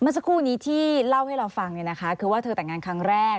เมื่อสักครู่นี้ที่เล่าให้เราฟังคือว่าเธอแต่งงานครั้งแรก